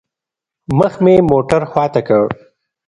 مخ مې موټر خوا ته كړ.